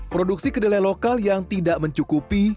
produksi kedelai lokal yang tidak mencukupi